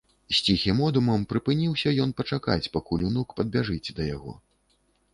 З ціхім одумам прыпыніўся ён пачакаць, пакуль унук падбяжыць да яго.